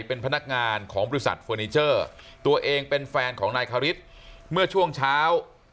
เป็นพนักงานของบริษัทเฟอร์นิเจอร์ตัวเองเป็นแฟนของนายคริสเมื่อช่วงเช้า